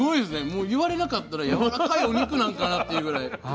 もう言われなかったらやわらかいお肉なのかなっていうぐらい。